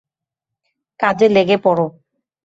কাজে লেগে পড়ো।